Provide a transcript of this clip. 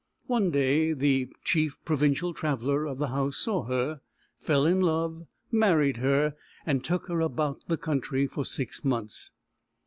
One day the chief provincial traveller of the house saw her, fell in love, married her, and took her about the country for six months.